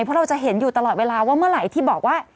เพราะเราจะเห็นอยู่ตลอดเวลาว่าเมื่อไหร่ที่บอกว่า